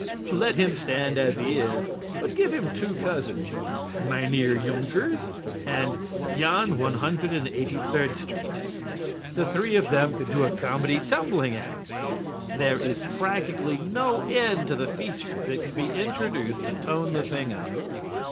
Let him stand as he is, but give him two cousins, "Mynheer Yonkers" and "Jan One Hundred and Eighty third Street." The three of them could do a comedy tumbling act. There is practically no end to the features that could be introduced to tone the thing up.